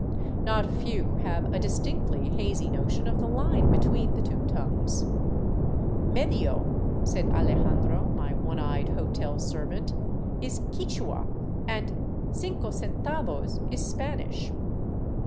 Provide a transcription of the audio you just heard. Not a few have a distinctly hazy notion of the line between the two tongues. " Medio," said Alejandro, my one eyed hotel servant, " is Quichua, and ' cinco centavos ' is Spanish."